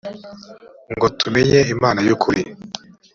yh ngo tumenye imana y ukuri